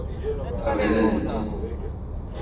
Qeblen-t.